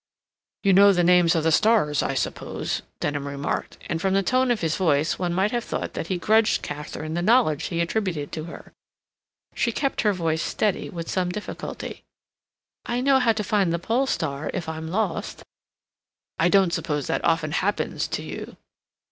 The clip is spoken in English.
"You know the names of the stars, I suppose?" Denham remarked, and from the tone of his voice one might have thought that he grudged Katharine the knowledge he attributed to her. She kept her voice steady with some difficulty. "I know how to find the Pole star if I'm lost." "I don't suppose that often happens to you."